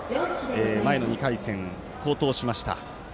前の２回戦、好投しました。